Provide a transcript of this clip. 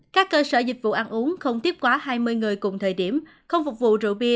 các cơ sở dịch vụ ăn uống không tiếp quá hai mươi người cùng thời điểm không phục vụ rượu bia